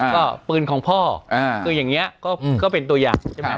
ก็ปืนของพ่ออย่างนี้ก็เป็นตัวอย่าง